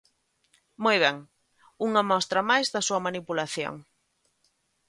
Moi ben, unha mostra máis da súa manipulación.